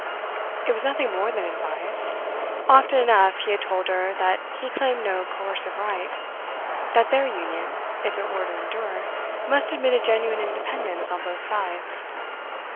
It was nothing more than advice; often enough he had told her that he claimed no coercive right; that their union, if it were to endure, must admit a genuine independence on both sides.